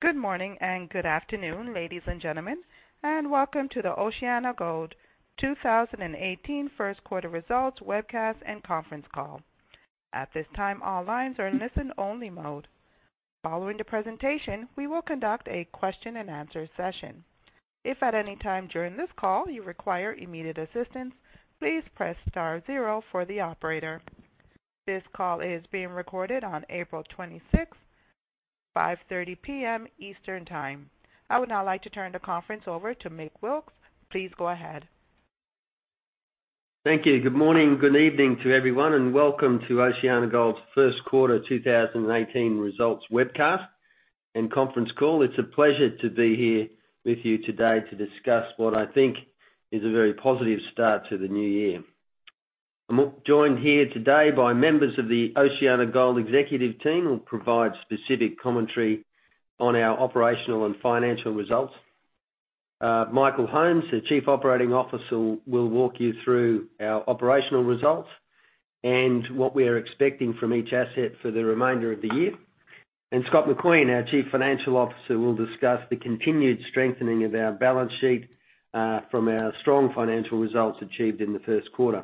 Good morning and good afternoon, ladies and gentlemen, and welcome to the OceanaGold 2018 first quarter results webcast and conference call. At this time, all lines are in listen only mode. Following the presentation, we will conduct a question and answer session. If at any time during this call you require immediate assistance, please press star zero for the operator. This call is being recorded on April 26th, 5:30 P.M. Eastern Time. I would now like to turn the conference over to Mick Wilkes. Please go ahead. Thank you. Good morning, good evening to everyone, welcome to OceanaGold's first quarter 2018 results webcast and conference call. It's a pleasure to be here with you today to discuss what I think is a very positive start to the new year. I'm joined here today by members of the OceanaGold executive team who will provide specific commentary on our operational and financial results. Michael Holmes, the Chief Operating Officer, will walk you through our operational results and what we are expecting from each asset for the remainder of the year. Scott McQueen, our Chief Financial Officer, will discuss the continued strengthening of our balance sheet, from our strong financial results achieved in the first quarter.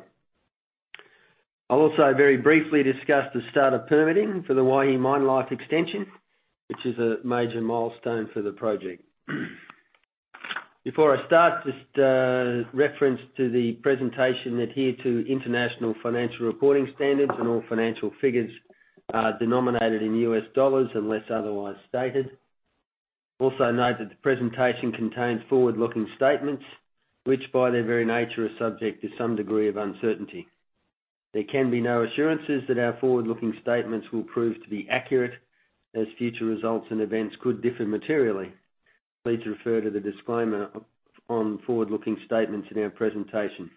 I'll also very briefly discuss the start of permitting for the Waihi mine life extension, which is a major milestone for the project. Before I start, just a reference to the presentation that adhere to International Financial Reporting Standards. All financial figures are denominated in US dollars unless otherwise stated. Also note that the presentation contains forward-looking statements, which by their very nature are subject to some degree of uncertainty. There can be no assurances that our forward-looking statements will prove to be accurate, as future results and events could differ materially. Please refer to the disclaimer on forward-looking statements in our presentation.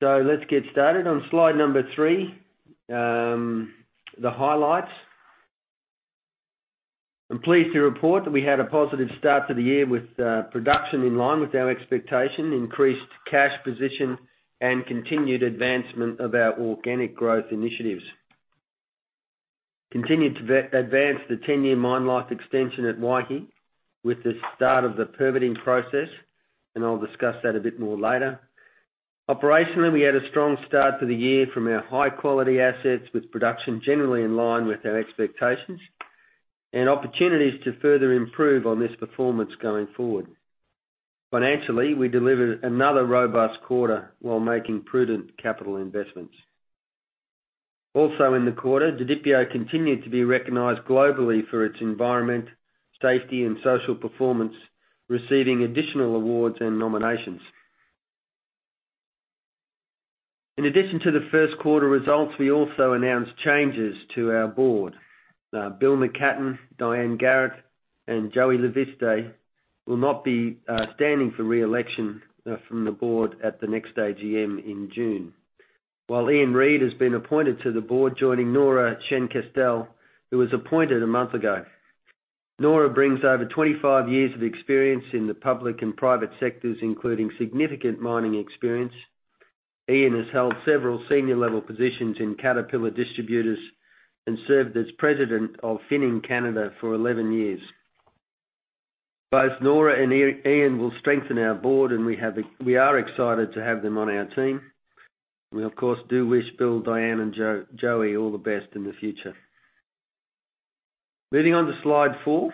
Let's get started. On slide number three, the highlights. I'm pleased to report that we had a positive start to the year with production in line with our expectation, increased cash position, and continued advancement of our organic growth initiatives. Continued to advance the 10-year mine life extension at Waihi with the start of the permitting process. I'll discuss that a bit more later. Operationally, we had a strong start to the year from our high-quality assets, with production generally in line with our expectations and opportunities to further improve on this performance going forward. Financially, we delivered another robust quarter while making prudent capital investments. Also in the quarter, Didipio continued to be recognized globally for its environment, safety, and social performance, receiving additional awards and nominations. In addition to the first quarter results, we also announced changes to our board. Bill Myckatyn, Diane Garrett, and Joey Leviste will not be standing for re-election from the board at the next AGM in June. Ian Reid has been appointed to the board, joining Nora Scheinkestel, who was appointed a month ago. Nora brings over 25 years of experience in the public and private sectors, including significant mining experience. Ian has held several senior-level positions in Caterpillar Distributors and served as president of Finning Canada for 11 years. Both Nora and Ian will strengthen our board. We are excited to have them on our team. We of course do wish Bill, Diane, and Joey all the best in the future. Moving on to slide four.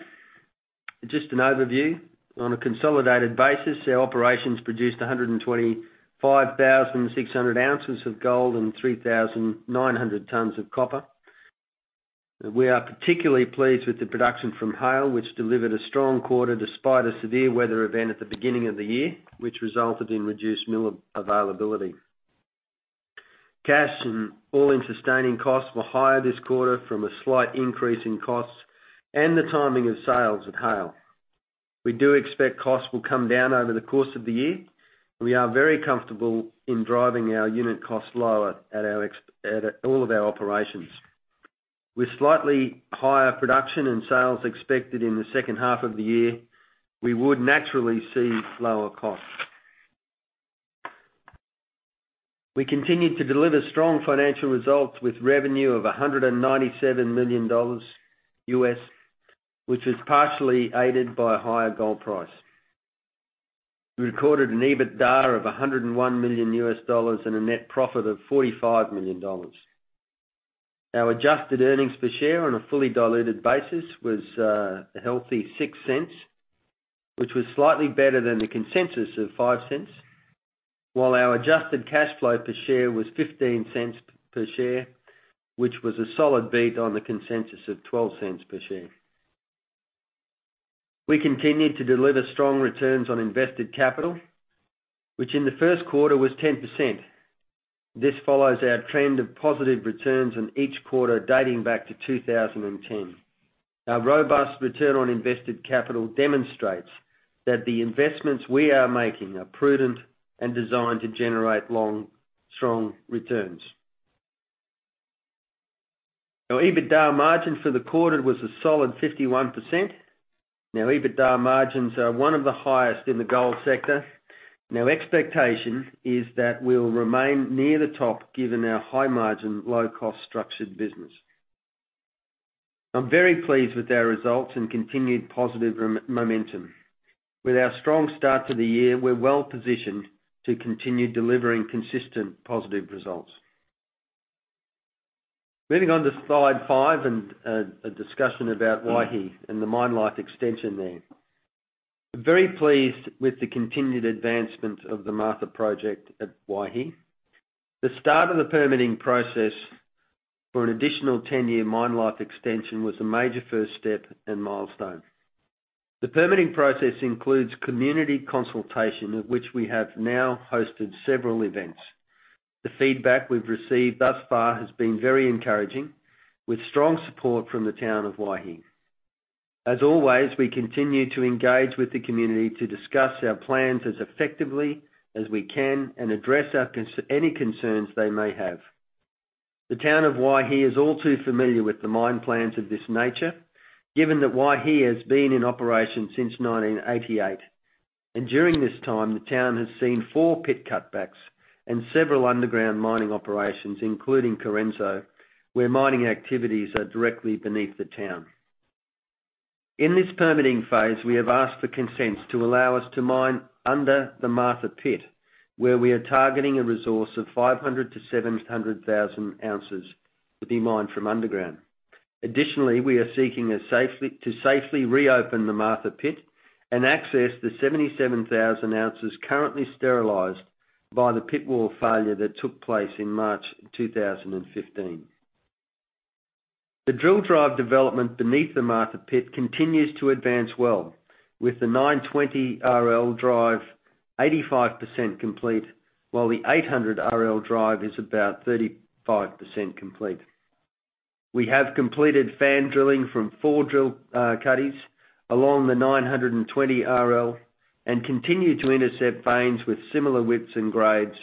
Just an overview. On a consolidated basis, our operations produced 125,600 ounces of gold and 3,900 tons of copper. We are particularly pleased with the production from Haile, which delivered a strong quarter despite a severe weather event at the beginning of the year, which resulted in reduced mill availability. Cash and all-in sustaining costs were higher this quarter from a slight increase in costs and the timing of sales at Haile. We do expect costs will come down over the course of the year. We are very comfortable in driving our unit costs lower at all of our operations. With slightly higher production and sales expected in the second half of the year, we would naturally see lower costs. We continued to deliver strong financial results with revenue of $197 million, which was partially aided by a higher gold price. We recorded an EBITDA of $101 million and a net profit of $45 million. Our adjusted earnings per share on a fully diluted basis was a healthy $0.06, which was slightly better than the consensus of $0.05. Our adjusted cash flow per share was $0.15 per share, which was a solid beat on the consensus of $0.12 per share. We continued to deliver strong returns on invested capital, which in the first quarter was 10%. This follows our trend of positive returns in each quarter dating back to 2010. Our robust return on invested capital demonstrates that the investments we are making are prudent and designed to generate long, strong returns. Our EBITDA margin for the quarter was a solid 51%. EBITDA margins are one of the highest in the gold sector. Our expectation is that we'll remain near the top given our high margin, low-cost structured business. I'm very pleased with our results and continued positive momentum. With our strong start to the year, we're well-positioned to continue delivering consistent positive results. Moving on to slide five and a discussion about Waihi and the mine life extension there. I'm very pleased with the continued advancement of the Martha project at Waihi. The start of the permitting process for an additional 10-year mine life extension was a major first step and milestone. The permitting process includes community consultation, of which we have now hosted several events. The feedback we've received thus far has been very encouraging, with strong support from the town of Waihi. As always, we continue to engage with the community to discuss our plans as effectively as we can and address any concerns they may have. The town of Waihi is all too familiar with the mine plans of this nature, given that Waihi has been in operation since 1988. During this time, the town has seen four pit cutbacks and several underground mining operations, including Correnso, where mining activities are directly beneath the town. In this permitting phase, we have asked for consents to allow us to mine under the Martha Pit, where we are targeting a resource of 500,000 ounces-700,000 ounces to be mined from underground. Additionally, we are seeking to safely reopen the Martha Pit and access the 77,000 ounces currently sterilized by the pit wall failure that took place in March 2015. The drill drive development beneath the Martha Pit continues to advance well, with the 920 RL drive 85% complete, while the 800 RL drive is about 35% complete. We have completed fan drilling from four drill cuttings along the 920 RL and continue to intercept veins with similar widths and grades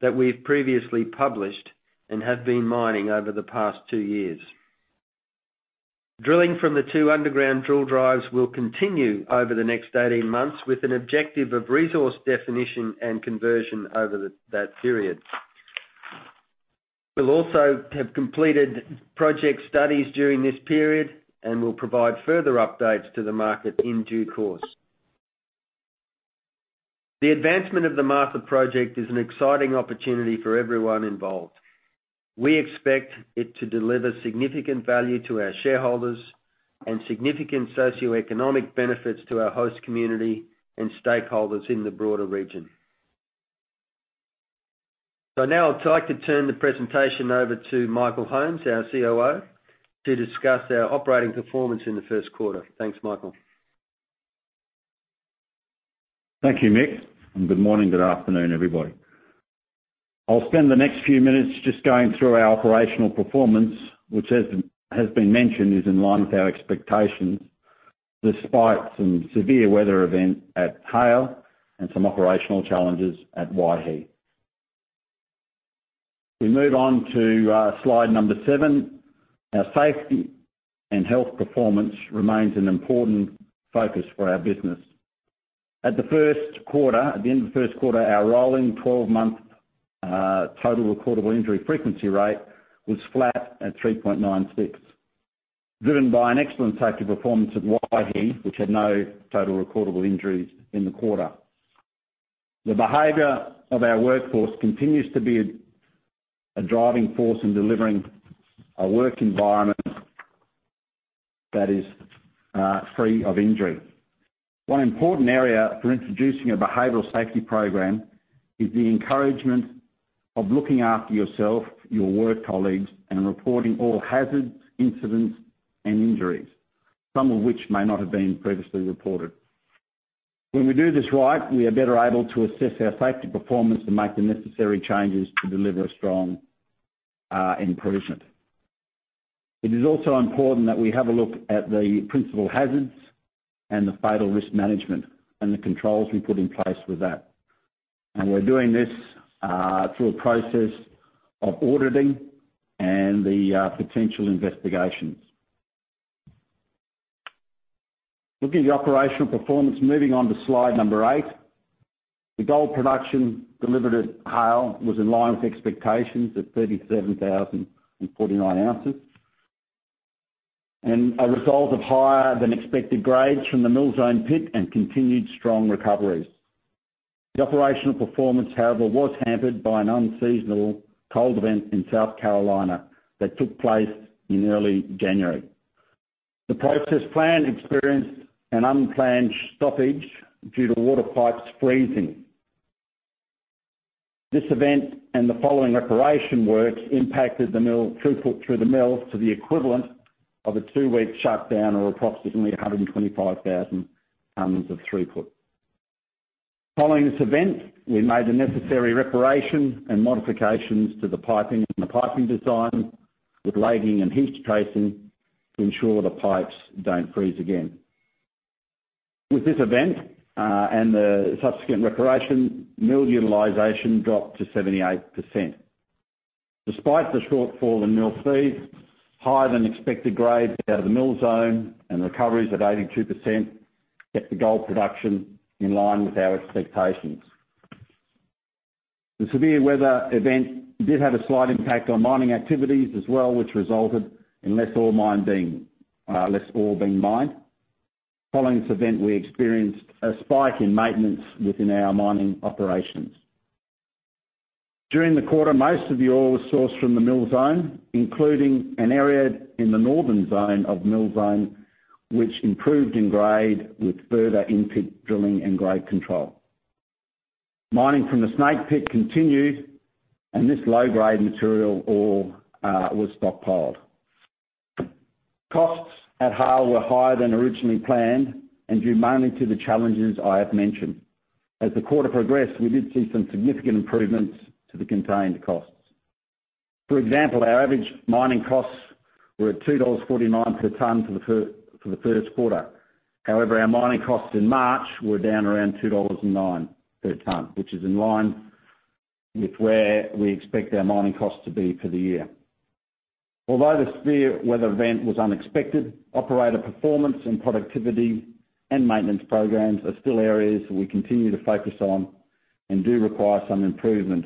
that we've previously published and have been mining over the past two years. Drilling from the two underground drill drives will continue over the next 18 months with an objective of resource definition and conversion over that period. We'll also have completed project studies during this period, and we'll provide further updates to the market in due course. The advancement of the Martha project is an exciting opportunity for everyone involved. Now I'd like to turn the presentation over to Michael Holmes, our COO, to discuss our operating performance in the first quarter. Thanks, Michael. Thank you, Mick. Good morning, good afternoon, everybody. I'll spend the next few minutes just going through our operational performance, which has been mentioned, is in line with our expectations, despite some severe weather event at Haile and some operational challenges at Waihi. We move on to slide number seven. Our safety and health performance remains an important focus for our business. At the end of the first quarter, our rolling 12-month total recordable injury frequency rate was flat at 3.96, driven by an excellent safety performance at Waihi, which had no total recordable injuries in the quarter. The behavior of our workforce continues to be a driving force in delivering a work environment that is free of injury. One important area for introducing a behavioral safety program is the encouragement of looking after yourself, your work colleagues, and reporting all hazards, incidents, and injuries, some of which may not have been previously reported. When we do this right, we are better able to assess our safety performance and make the necessary changes to deliver a strong improvement. It is also important that we have a look at the principal hazards and the fatal risk management, and the controls we put in place with that. We're doing this through a process of auditing and the potential investigations. Looking at the operational performance, moving on to slide number eight. The gold production delivered at Haile was in line with expectations of 37,049 ounces. A result of higher than expected grades from the Mill Zone pit and continued strong recoveries. The operational performance, however, was hampered by an unseasonal cold event in South Carolina that took place in early January. The process plant experienced an unplanned stoppage due to water pipes freezing. This event and the following reparation works impacted the throughput through the mill to the equivalent of a two-week shutdown, or approximately 125,000 tons of throughput. Following this event, we made the necessary reparation and modifications to the piping and the piping design with lagging and heat tracing to ensure the pipes don't freeze again. With this event, and the subsequent reparation, mill utilization dropped to 78%. Despite the shortfall in mill feed, higher than expected grades out of the Mill Zone and recoveries at 82% kept the gold production in line with our expectations. The severe weather event did have a slight impact on mining activities as well, which resulted in less ore being mined. Following this event, we experienced a spike in maintenance within our mining operations. During the quarter, most of the ore was sourced from the Mill Zone, including an area in the northern zone of the Mill Zone, which improved in grade with further in-pit drilling and grade control. Mining from the Snake Pit continued, and this low-grade material ore was stockpiled. Costs at Haile were higher than originally planned, and due mainly to the challenges I have mentioned. As the quarter progressed, we did see some significant improvements to the contained costs. For example, our average mining costs were at $2.49 per tonne for the first quarter. However, our mining costs in March were down around $2.09 per tonne, which is in line with where we expect our mining costs to be for the year. Although the severe weather event was unexpected, operator performance and productivity and maintenance programs are still areas that we continue to focus on and do require some improvement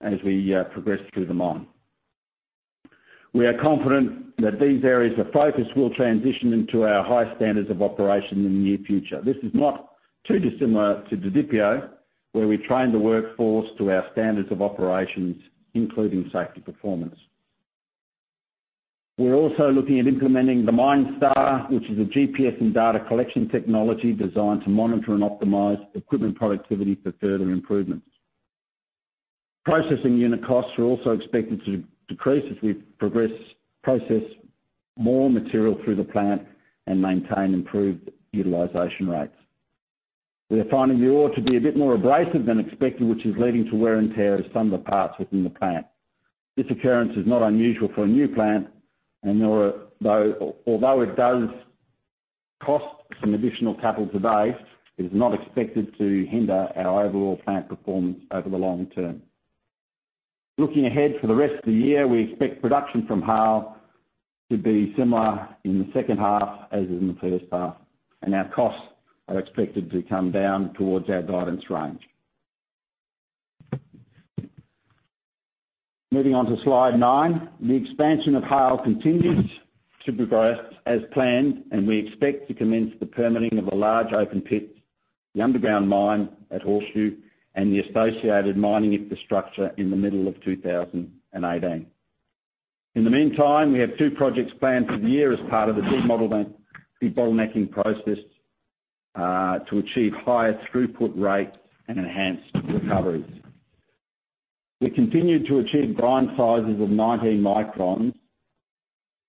as we progress through the mine. We are confident that these areas of focus will transition into our high standards of operation in the near future. This is not too dissimilar to Didipio, where we train the workforce to our standards of operations, including safety performance. We're also looking at implementing the MineStar, which is a GPS and data collection technology designed to monitor and optimize equipment productivity for further improvements. Processing unit costs are also expected to decrease as we progress, process more material through the plant, and maintain improved utilization rates. We are finding the ore to be a bit more abrasive than expected, which is leading to wear and tear of some of the parts within the plant. This occurrence is not unusual for a new plant, and although it does cost some additional capital today, it is not expected to hinder our overall plant performance over the long term. Looking ahead to the rest of the year, we expect production from Haile to be similar in the second half as in the first half, and our costs are expected to come down towards our guidance range. Moving on to slide nine. The expansion of Haile continues to progress as planned, and we expect to commence the permitting of a large open pit, the underground mine at Horseshoe, and the associated mining infrastructure in the middle of 2018. In the meantime, we have two projects planned for the year as part of the de-bottlenecking process to achieve higher throughput rate and enhanced recoveries. We continued to achieve grind sizes of 90 microns,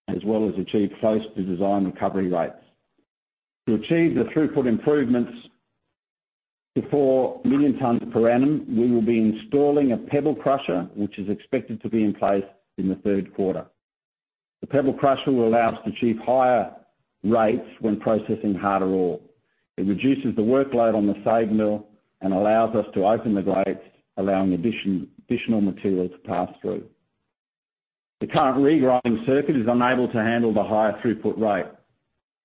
as well as achieve close to design recovery rates. To achieve the throughput improvements to 4 million tonnes per annum, we will be installing a pebble crusher, which is expected to be in place in the third quarter. The pebble crusher will allow us to achieve higher rates when processing harder ore. It reduces the workload on the SAG mill and allows us to open the grates, allowing additional material to pass through.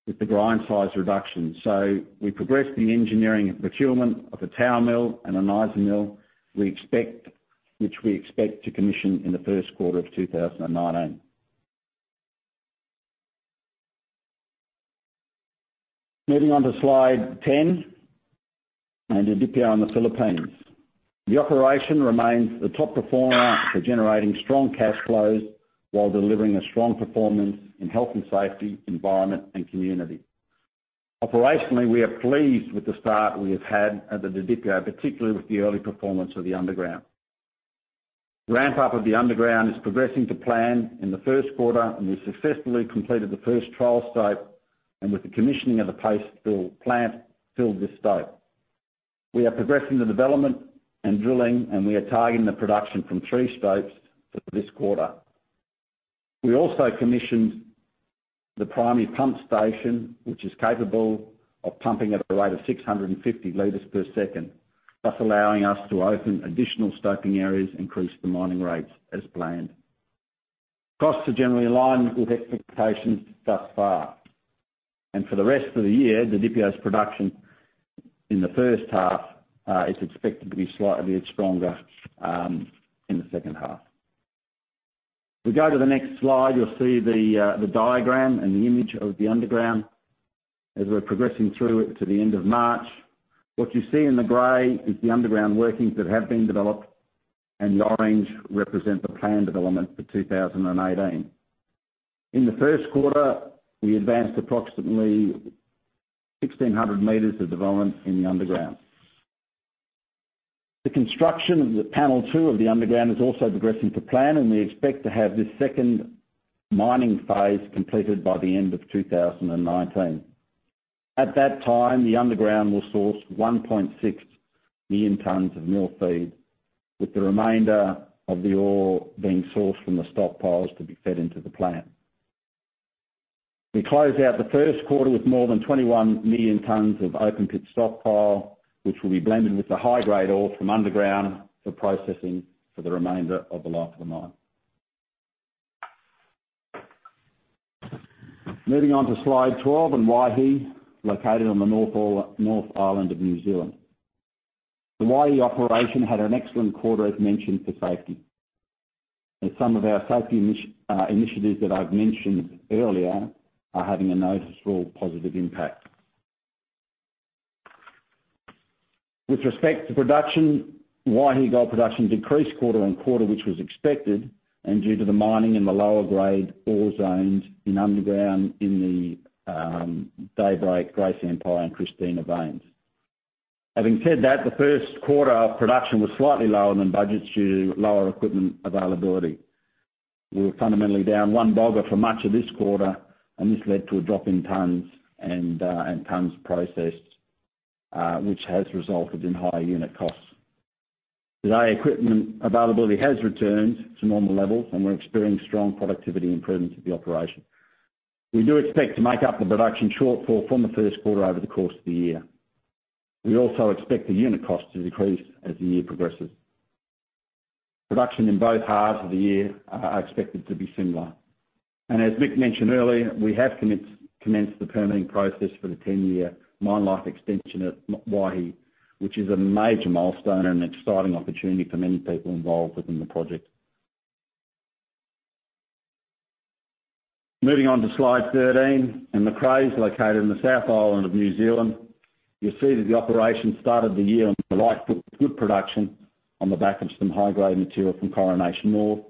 We progressed the engineering and procurement of a tower mill and an IsaMill, which we expect to commission in the first quarter of 2019. Moving on to slide 10, and Didipio in the Philippines. The operation remains the top performer for generating strong cash flows while delivering a strong performance in health and safety, environment, and community. Operationally, we are pleased with the start we have had at the Didipio, particularly with the early performance of the underground. Ramp-up of the underground is progressing to plan in the first quarter, and we successfully completed the first trial stope, and with the commissioning of the paste fill plant, filled the stope. We are progressing the development and drilling, and we are targeting the production from three stopes for this quarter. We also commissioned the primary pump station, which is capable of pumping at a rate of 650 liters per second, thus allowing us to open additional stoping areas, increase the mining rates as planned. Costs are generally aligned with expectations thus far. For the rest of the year, Didipio's production in the first half is expected to be slightly bit stronger in the second half. If we go to the next slide, you'll see the diagram and the image of the underground as we're progressing through it to the end of March. What you see in the gray is the underground workings that have been developed, and the orange represent the planned development for 2018. In the first quarter, we advanced approximately 1,600 meters of development in the underground. The construction of the panel 2 of the underground is also progressing to plan, and we expect to have this second mining phase completed by the end of 2019. At that time, the underground will source 1.6 million tons of mill feed, with the remainder of the ore being sourced from the stockpiles to be fed into the plant. We closed out the first quarter with more than 21 million tons of open pit stockpile, which will be blended with the high-grade ore from underground for processing for the remainder of the life of the mine. Moving on to slide 12 and Waihi, located on the North Island of New Zealand. The Waihi operation had an excellent quarter, as mentioned for safety. Some of our safety initiatives that I've mentioned earlier are having a noticeable positive impact. With respect to production, Waihi gold production decreased quarter-on-quarter, which was expected, and due to the mining in the lower grade ore zones in underground in the Daybreak, Grace Empire, and Christina veins. Having said that, the first quarter production was slightly lower than budgets due to lower equipment availability. We were fundamentally down one bogger for much of this quarter, and this led to a drop in tons and tons processed, which has resulted in higher unit costs. Today, equipment availability has returned to normal levels, and we're experiencing strong productivity improvements at the operation. We do expect to make up the production shortfall from the first quarter over the course of the year. We also expect the unit cost to decrease as the year progresses. Production in both halves of the year are expected to be similar. As Mick mentioned earlier, we have commenced the permitting process for the 10-year mine life extension at Waihi, which is a major milestone and an exciting opportunity for many people involved within the project. Moving on to slide 13 and Macraes, located in the South Island of New Zealand. You'll see that the operation started the year on the right foot with good production on the back of some high-grade material from Coronation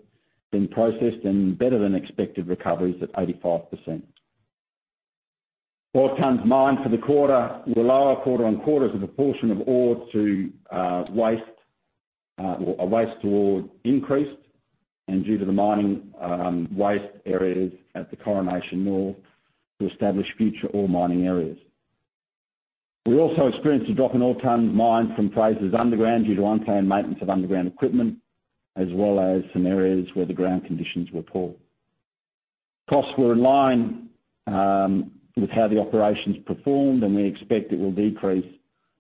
being processed and better than expected recoveries at 85%. Ore tons mined for the quarter were lower quarter-on-quarter as a proportion of ore to waste, or waste to ore increased, due to the mining waste areas at the Coronation to establish future ore mining areas. We also experienced a drop in ore tons mined from Frasers Underground due to unplanned maintenance of underground equipment, as well as some areas where the ground conditions were poor. Costs were in line with how the operations performed, we expect it will decrease,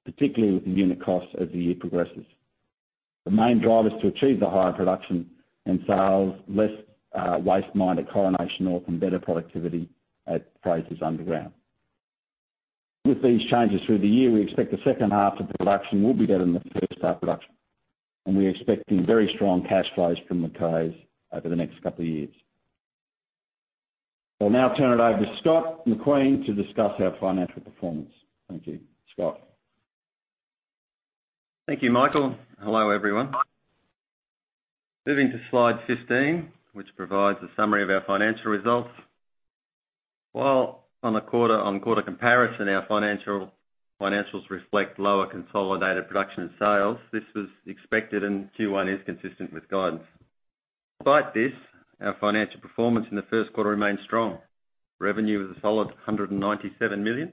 particularly with the unit cost as the year progresses. The main drivers to achieve the higher production and sales, less waste mined at Coronation and better productivity at Frasers Underground. With these changes through the year, we expect the second half of production will be better than the first half production, we're expecting very strong cash flows from Macraes over the next couple of years. I'll now turn it over to Scott McQueen to discuss our financial performance. Thank you. Scott? Thank you, Michael. Hello, everyone. Moving to slide 15, which provides a summary of our financial results. While on the quarter-on-quarter comparison, our financials reflect lower consolidated production and sales. This was expected, Q1 is consistent with guidance. Despite this, our financial performance in the first quarter remained strong. Revenue was a solid $197 million,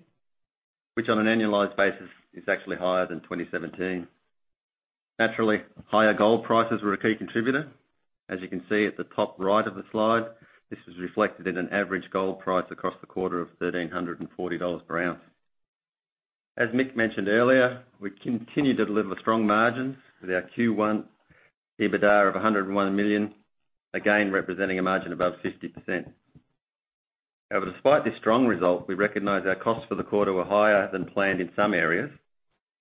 which on an annualized basis is actually higher than 2017. Naturally, higher gold prices were a key contributor. As you can see at the top right of the slide, this was reflected in an average gold price across the quarter of $1,340 per ounce. As Mick mentioned earlier, we continue to deliver strong margins with our Q1 EBITDA of $101 million, again, representing a margin above 50%. Despite this strong result, we recognize our costs for the quarter were higher than planned in some areas,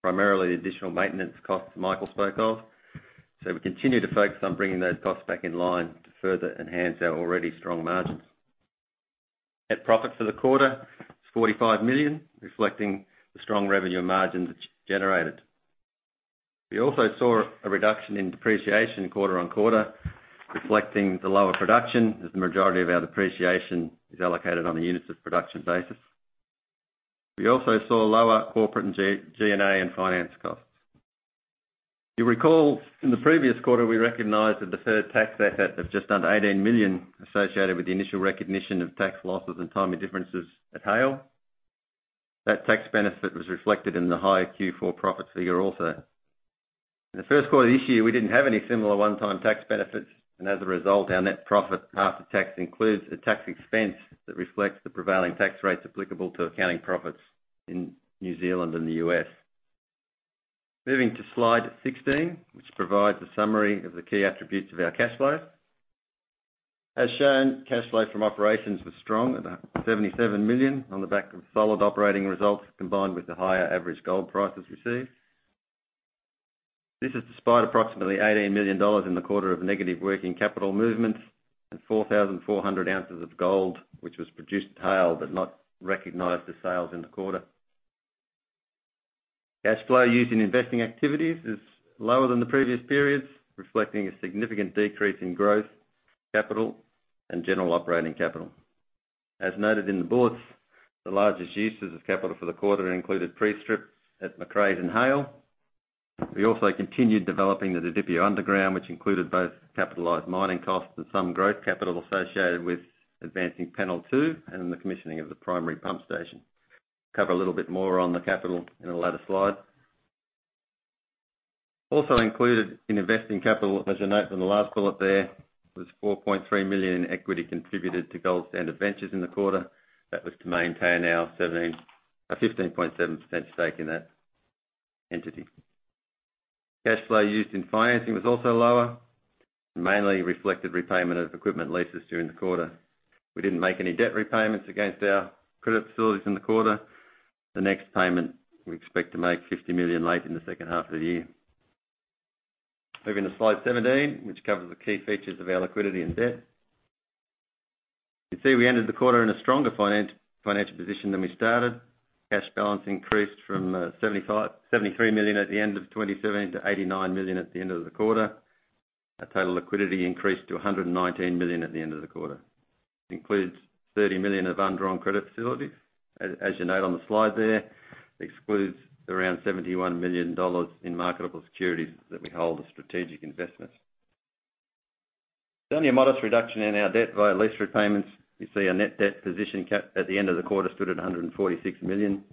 primarily the additional maintenance costs Michael spoke of. We continue to focus on bringing those costs back in line to further enhance our already strong margins. Net profit for the quarter is $45 million, reflecting the strong revenue margins generated. We also saw a reduction in depreciation quarter-on-quarter, reflecting the lower production, as the majority of our depreciation is allocated on a units of production basis. We also saw lower corporate G&A and finance costs. You will recall in the previous quarter, we recognized a deferred tax asset of just under $18 million associated with the initial recognition of tax losses and timing differences at Haile. That tax benefit was reflected in the higher Q4 profit figure also. In the first quarter of this year, we did not have any similar one-time tax benefits. As a result, our net profit after tax includes a tax expense that reflects the prevailing tax rates applicable to accounting profits in New Zealand and the U.S. Moving to slide 16, which provides a summary of the key attributes of our cash flow. As shown, cash flow from operations was strong at $77 million on the back of solid operating results combined with the higher average gold prices received. This is despite approximately $18 million in the quarter of negative working capital movements and 4,400 ounces of gold, which was produced at Haile, but not recognized for sales in the quarter. Cash flow used in investing activities is lower than the previous periods, reflecting a significant decrease in growth capital and general operating capital. As noted in the boards, the largest uses of capital for the quarter included pre-strip at Macraes and Haile. We also continued developing the Didipio underground, which included both capitalized mining costs and some growth capital associated with advancing panel 2 and the commissioning of the primary pump station. We cover a little bit more on the capital in a later slide. Also included in investing capital, as you note in the last bullet there, was $4.3 million in equity contributed to Gold Standard Ventures in the quarter. That was to maintain our 15.7% stake in that entity. Cash flow used in financing was also lower, mainly reflected repayment of equipment leases during the quarter. We did not make any debt repayments against our credit facilities in the quarter. The next payment, we expect to make $50 million late in the second half of the year. Moving to slide 17, which covers the key features of our liquidity and debt. You can see we ended the quarter in a stronger financial position than we started. Cash balance increased from $73 million at the end of 2017 to $89 million at the end of the quarter. Our total liquidity increased to $119 million at the end of the quarter. It includes $30 million of undrawn credit facilities. As you note on the slide there, it excludes around $71 million in marketable securities that we hold as strategic investments. There is only a modest reduction in our debt via lease repayments. You see our net debt position at the end of the quarter stood at $146 million.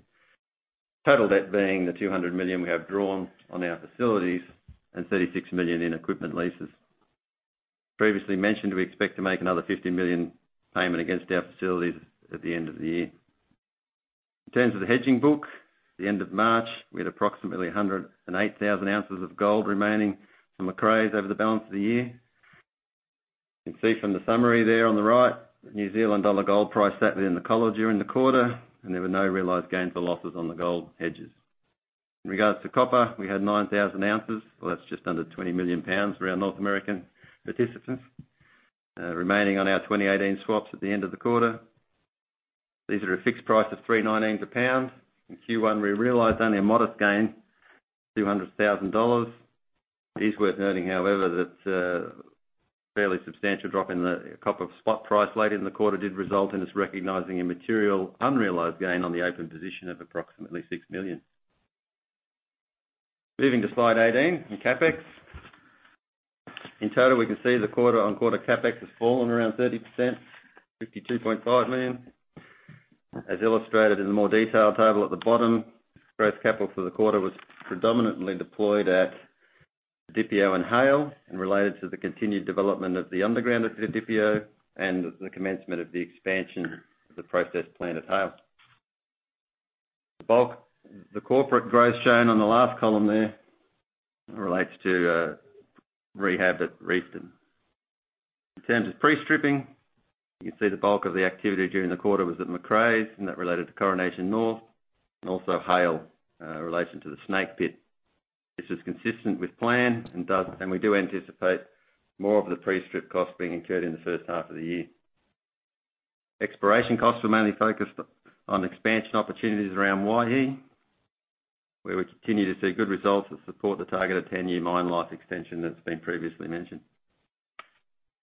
Total debt being the $200 million we have drawn on our facilities and $36 million in equipment leases. Previously mentioned, we expect to make another $50 million payment against our facilities at the end of the year. In terms of the hedging book, at the end of March, we had approximately 108,000 ounces of gold remaining from Macraes over the balance of the year. You can see from the summary there on the right, the New Zealand dollar gold price sat within the collar during the quarter, and there were no realized gains or losses on the gold hedges. In regards to copper, we had 9,000 ounces. Well, that's just under 20 million pounds around North American participants, remaining on our 2018 swaps at the end of the quarter. These are a fixed price of $3.19 a pound. In Q1, we realized only a modest gain, $200,000. It is worth noting, however, that fairly substantial drop in the copper spot price late in the quarter did result in us recognizing a material unrealized gain on the open position of approximately $6 million. Moving to slide 18, in CapEx. In total, we can see the quarter-on-quarter CapEx has fallen around 30%, $52.5 million. As illustrated in the more detailed table at the bottom, gross capital for the quarter was predominantly deployed at Didipio and Haile and related to the continued development of the underground at Didipio and the commencement of the expansion of the process plant at Haile. The corporate growth shown on the last column there relates to rehab at Reefton. In terms of pre-stripping, you can see the bulk of the activity during the quarter was at Macraes, and that related to Coronation North, and also Haile relating to the Snake Pit. This is consistent with plan, we do anticipate more of the pre-strip cost being incurred in the first half of the year. Exploration costs were mainly focused on expansion opportunities around Waihi, where we continue to see good results that support the targeted 10-year mine life extension that's been previously mentioned.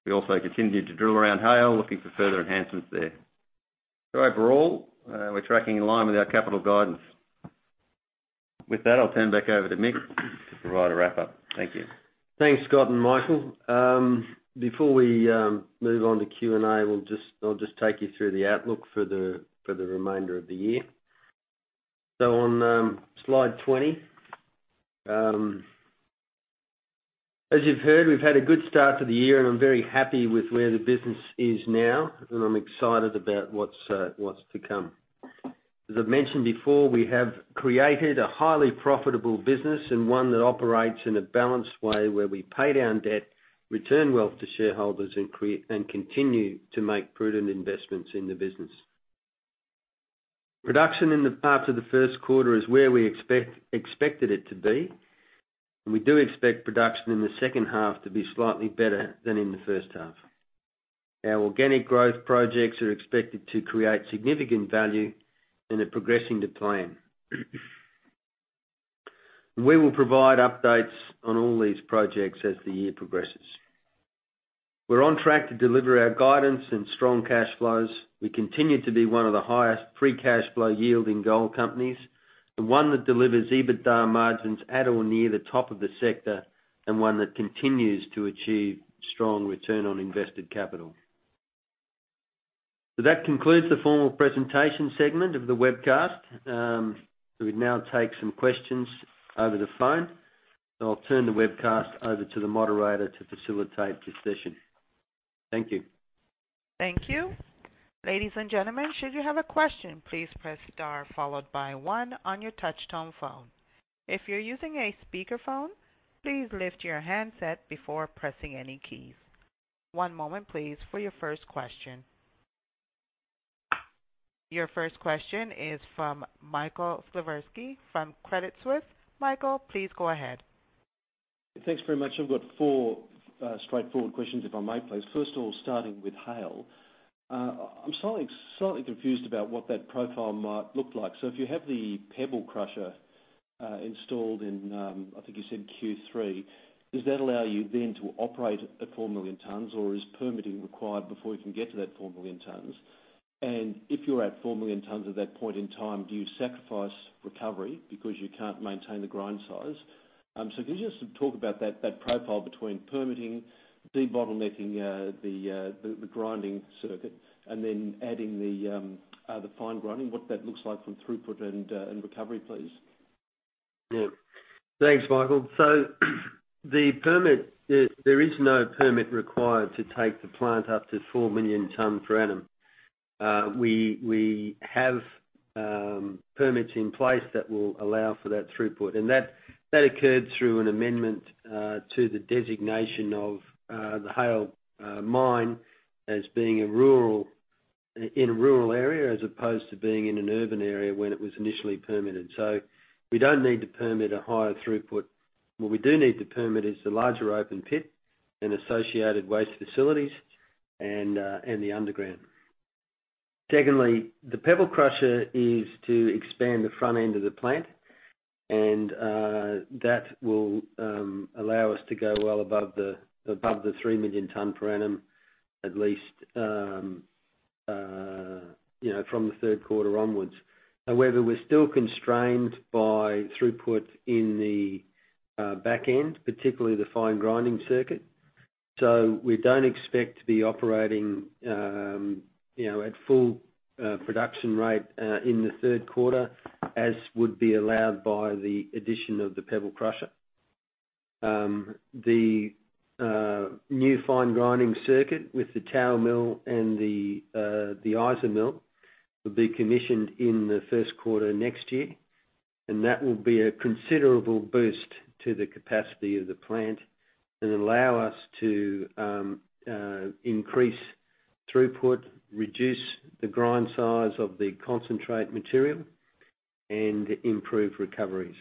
We also continued to drill around Haile, looking for further enhancements there. Overall, we're tracking in line with our capital guidance. With that, I'll turn back over to Mick to provide a wrap-up. Thank you. Thanks, Scott and Michael. Before we move on to Q&A, I'll just take you through the outlook for the remainder of the year. On slide 20. As you've heard, we've had a good start to the year, I'm very happy with where the business is now, I'm excited about what's to come. As I've mentioned before, we have created a highly profitable business and one that operates in a balanced way where we pay down debt, return wealth to shareholders, continue to make prudent investments in the business. Production in the parts of the first quarter is where we expected it to be, we do expect production in the second half to be slightly better than in the first half. Our organic growth projects are expected to create significant value and are progressing to plan. We will provide updates on all these projects as the year progresses. We're on track to deliver our guidance and strong cash flows. We continue to be one of the highest free cash flow yield in gold companies, and one that delivers EBITDA margins at or near the top of the sector, and one that continues to achieve strong return on invested capital. That concludes the formal presentation segment of the webcast. We'd now take some questions over the phone. I'll turn the webcast over to the moderator to facilitate the session. Thank you. Thank you. Ladies and gentlemen, should you have a question, please press star followed by one on your touch-tone phone. If you're using a speakerphone, please lift your handset before pressing any keys. One moment, please, for your first question. Your first question is from Michael Slifirski from Credit Suisse. Michael, please go ahead. Thanks very much. I've got four straightforward questions, if I may, please. First of all, starting with Haile. I'm slightly confused about what that profile might look like. If you have the pebble crusher installed in, I think you said Q3, does that allow you then to operate at 4 million tons, or is permitting required before you can get to that 4 million tons? And if you're at 4 million tons at that point in time, do you sacrifice recovery because you can't maintain the grind size? Can you just talk about that profile between permitting, debottlenecking the grinding circuit, and then adding the fine grinding, what that looks like from throughput and recovery, please? Yeah. Thanks, Michael. There is no permit required to take the plant up to 4 million ton per annum. We have permits in place that will allow for that throughput. That occurred through an amendment to the designation of the Haile mine as being in a rural area as opposed to being in an urban area when it was initially permitted. We don't need to permit a higher throughput. What we do need to permit is the larger open pit and associated waste facilities and the underground. Secondly, the pebble crusher is to expand the front end of the plant and that will allow us to go well above the 3 million ton per annum, at least from the third quarter onwards. However, we're still constrained by throughput in the back end, particularly the fine grinding circuit. We don't expect to be operating at full production rate in the third quarter, as would be allowed by the addition of the pebble crusher. The new fine grinding circuit with the tower mill and the IsaMill will be commissioned in the first quarter next year, that will be a considerable boost to the capacity of the plant and allow us to increase throughput, reduce the grind size of the concentrate material, and improve recoveries.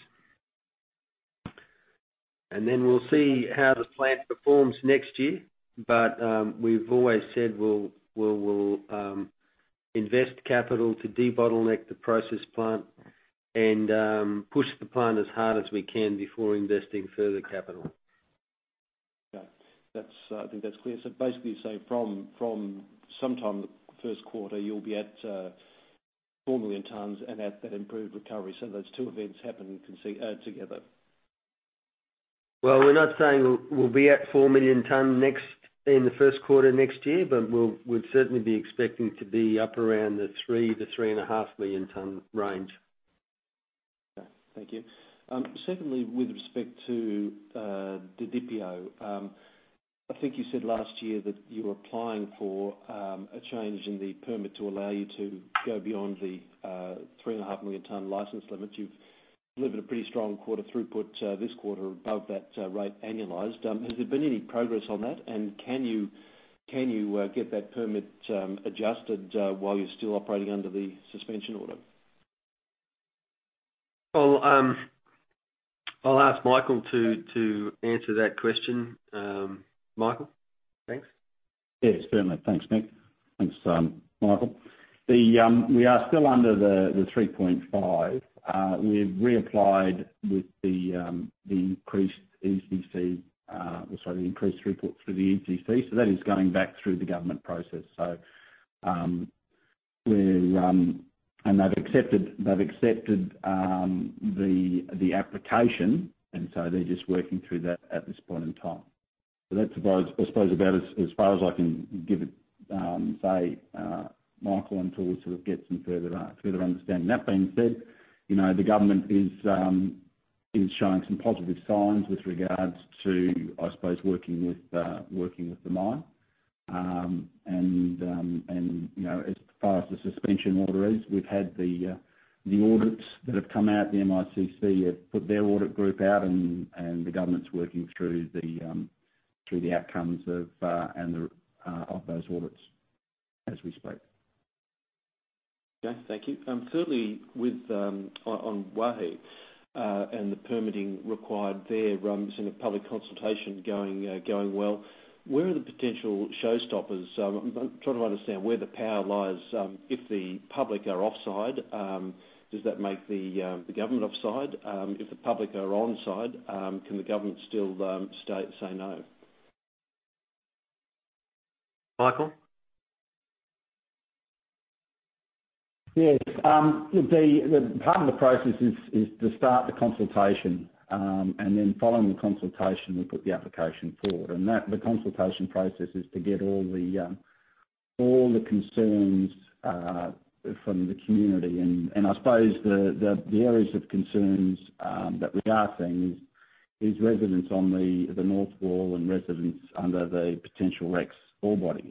We'll see how the plant performs next year. We've always said we'll invest capital to de-bottleneck the process plant and push the plant as hard as we can before investing further capital. Okay. I think that's clear. Basically, you say from sometime first quarter, you'll be at 4 million tons and at that improved recovery. Those two events happen together. We're not saying we'll be at 4 million ton in the first quarter next year, we'd certainly be expecting to be up around the 3 to 3.5 million ton range. Okay. Thank you. Secondly, with respect to Didipio, I think you said last year that you were applying for a change in the permit to allow you to go beyond the 3.5 million ton license limit. You've delivered a pretty strong quarter throughput this quarter above that rate annualized. Has there been any progress on that, can you get that permit adjusted while you're still operating under the suspension order? Well, I'll ask Michael to answer that question. Michael? Thanks. Yes, certainly. Thanks, Mick. Thanks, Michael. We are still under the 3.5. We've reapplied with the increased throughput for the ECC, that is going back through the government process. They've accepted the application, they're just working through that at this point in time. That's, I suppose about as far as I can give it, say, Michael, until we sort of get some further understanding. That being said, the government is showing some positive signs with regards to, I suppose, working with the mine. As far as the suspension order is, we've had the audits that have come out. The MICC have put their audit group out, the government's working through the outcomes of those audits as we speak. Okay. Thank you. Certainly on Waihi and the permitting required there, I'm seeing the public consultation going well. Where are the potential showstoppers? I'm trying to understand where the power lies. If the public are offside, does that make the government offside? If the public are onside, can the government still say no? Michael? Yes. Part of the process is to start the consultation, following the consultation, we put the application forward. The consultation process is to get all the concerns from the community. I suppose the areas of concerns that we are seeing is residents on the north wall and residents under the potential Rex ore body.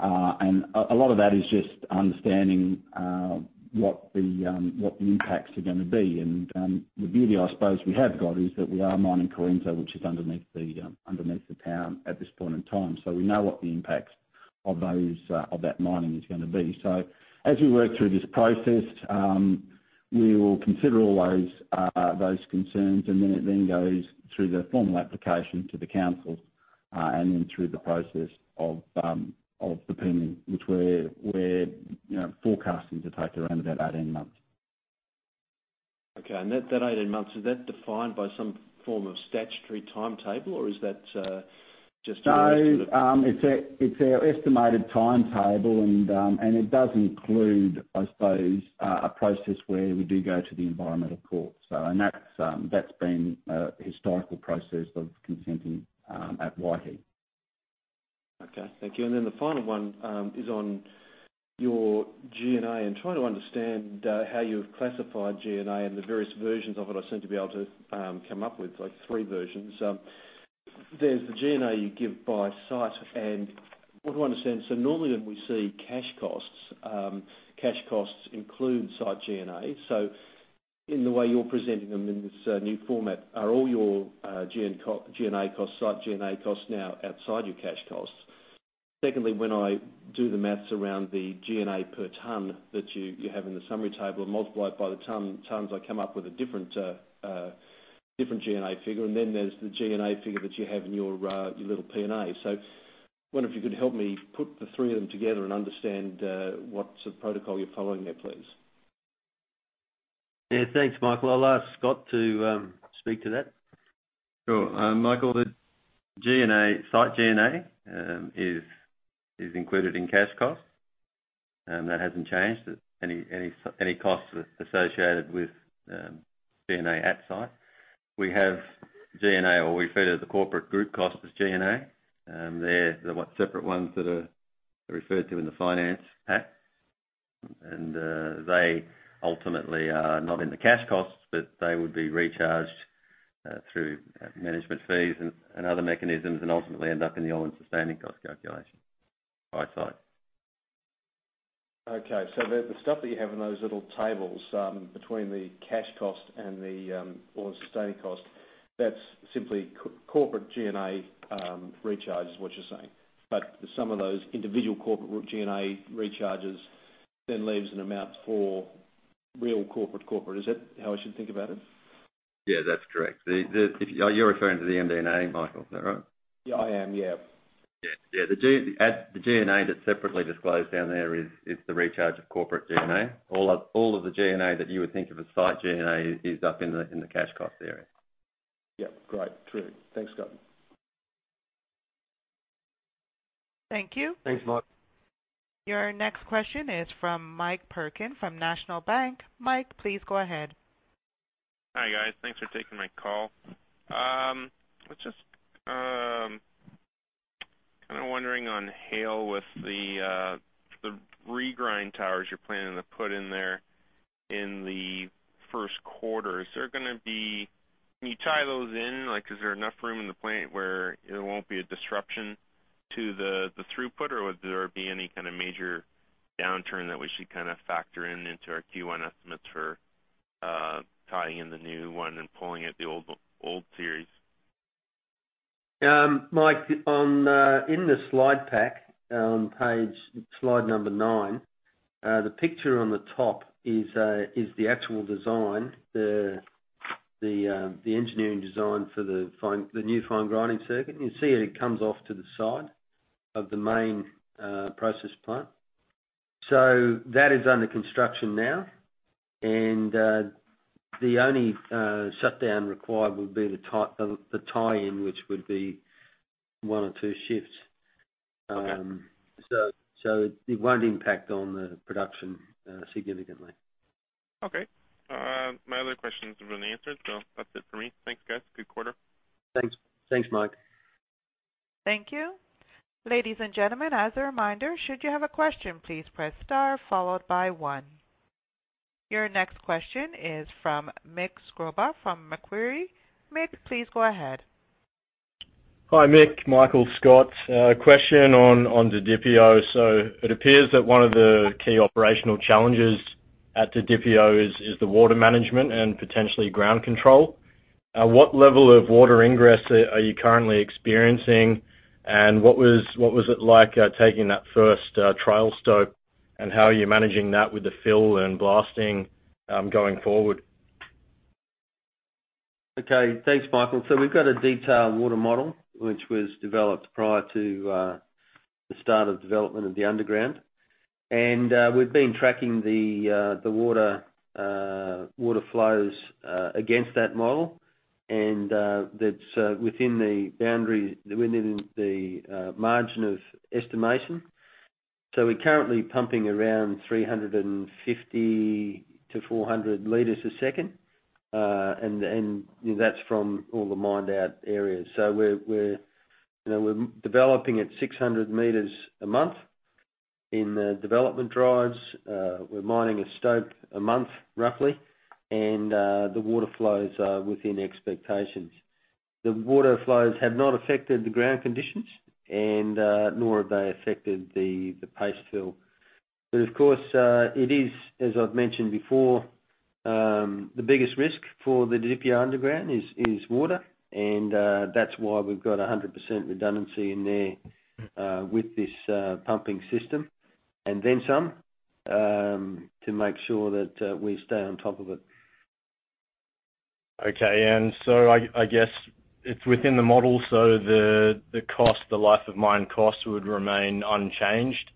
A lot of that is just understanding what the impacts are going to be. The beauty, I suppose, we have got is that we are mining Correnso, which is underneath the town at this point in time, we know what the impacts of that mining is going to be. As we work through this process, we will consider all those concerns and then it then goes through the formal application to the council, and then through the process of the permitting, which we're forecasting to take around about 18 months. Okay. That 18 months, is that defined by some form of statutory timetable, or is that just your? No, it's our estimated timetable, and it does include, I suppose, a process where we do go to the Environment Court. That's been a historical process of consenting at Waihi. Okay. Thank you. The final one is on your G&A. I'm trying to understand how you've classified G&A and the various versions of it. I seem to be able to come up with three versions. There's the G&A you give by site and what I want to understand, normally when we see cash costs, cash costs include site G&A. In the way you're presenting them in this new format, are all your G&A costs, site G&A costs, now outside your cash costs? Secondly, when I do the maths around the G&A per ton that you have in the summary table and multiply it by the tons, I come up with a different G&A figure. There's the G&A figure that you have in your little P&L. I wonder if you could help me put the three of them together and understand what sort of protocol you're following there, please. Yeah, thanks, Michael. I'll ask Scott to speak to that. Sure. Michael, the site G&A is included in cash costs. That hasn't changed, any costs associated with G&A at site. We have G&A, or we refer to the corporate group cost as G&A. They're the separate ones that are referred to in the finance pack. They ultimately are not in the cash costs, but they would be recharged through management fees and other mechanisms and ultimately end up in the all-in sustaining cost calculation by site. The stuff that you have in those little tables between the cash cost and the all-in sustaining cost, that's simply corporate G&A recharge, is what you're saying? The sum of those individual corporate G&A recharges then leaves an amount for real corporate. Is that how I should think about it? Yeah, that's correct. You're referring to the MD&A, Michael, is that right? Yeah, I am. Yeah. Yeah. The G&A that's separately disclosed down there is the recharge of corporate G&A. All of the G&A that you would think of as site G&A is up in the cash cost area. Yep. Great. True. Thanks, Scott. Thank you. Thanks, Michael. Your next question is from Mike Perkins from National Bank. Mike, please go ahead. Hi, guys. Thanks for taking my call. I was just kind of wondering on Haile with the regrind towers you're planning to put in there in the first quarter. Is there going to be, when you tie those in, is there enough room in the plant where it won't be a disruption to the throughput? Or would there be any kind of major downturn that we should factor in into our Q1 estimates for tying in the new one and pulling out the old series? Mike, in the slide pack on slide number nine, the picture on the top is the actual design, the engineering design for the new fine grinding circuit. You see it comes off to the side of the main process plant. That is under construction now. The only shutdown required would be the tie-in, which would be one or two shifts. Okay. It won't impact on the production significantly. Okay. My other questions have been answered, that's it for me. Thanks, guys. Good quarter. Thanks, Mike. Thank you. Ladies and gentlemen, as a reminder, should you have a question, please press star followed by one. Your next question is from Mick Scroba from Macquarie. Mick, please go ahead. Hi, Mick. Michael Scott. Question on the Didipio. It appears that one of the key operational challenges at the Didipio is the water management and potentially ground control. What level of water ingress are you currently experiencing, and what was it like taking that first trial stope? How are you managing that with the fill and blasting going forward? Okay. Thanks, Michael. We've got a detailed water model which was developed prior to the start of development of the underground. We've been tracking the water flows against that model. That's within the margin of estimation. We're currently pumping around 350-400 liters a second. That's from all the mined-out areas. We're developing at 600 meters a month in development drives. We're mining a stope a month, roughly, the water flows are within expectations. The water flows have not affected the ground conditions nor have they affected the paste fill. Of course, it is, as I've mentioned before, the biggest risk for the Didipio underground is water, that's why we've got 100% redundancy in there with this pumping system. Then some, to make sure that we stay on top of it. Okay. I guess it's within the model, the life of mine cost would remain unchanged?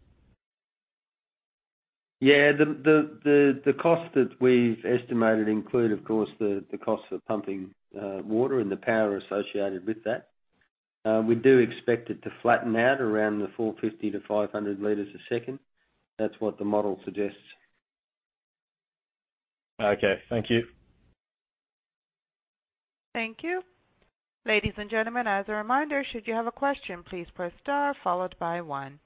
Yeah. The cost that we've estimated include, of course, the cost of pumping water and the power associated with that. We do expect it to flatten out around the 450-500 liters a second. That's what the model suggests. Okay. Thank you. Thank you. Ladies and gentlemen, as a reminder, should you have a question, please press star followed by one.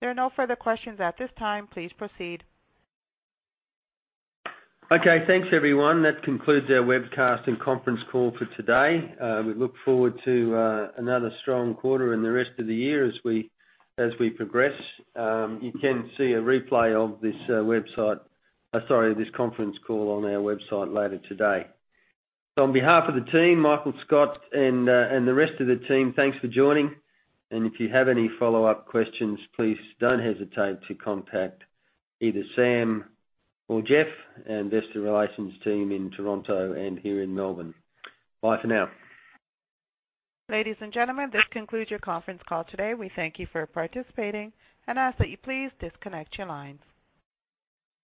There are no further questions at this time. Please proceed. Okay. Thanks, everyone. That concludes our webcast and conference call for today. We look forward to another strong quarter in the rest of the year as we progress. You can see a replay of this conference call on our website later today. On behalf of the team, Michael Scott and the rest of the team, thanks for joining. If you have any follow-up questions, please don't hesitate to contact either Sam or Jeff and investor relations team in Toronto and here in Melbourne. Bye for now. Ladies and gentlemen, this concludes your conference call today. We thank you for participating and ask that you please disconnect your lines.